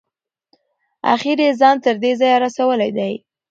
اخیر یې ځان تر دې ځایه رسولی دی.